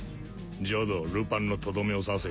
ジョドールパンのとどめを刺せ。